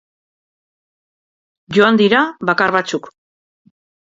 Joan dira bakar batzuk.